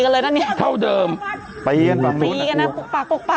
นี่น่ะโหเดี๋ยวเดี๋ยวเดี๋ยวเห็นไหมล่ะ